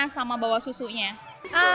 sama bawa susunya